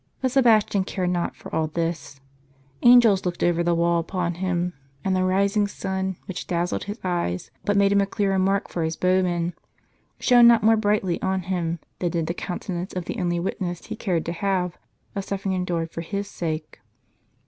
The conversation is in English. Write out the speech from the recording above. drk f:i But Sebastian cared not for all this. Angels looked over the wall upon him ; and the rising sun, which dazzled his eyes, but made him a cleaver mark for his bowmen, shone not more brightly on him, than did the countenance of the only Witness he cared to have of suffering endured for His sake.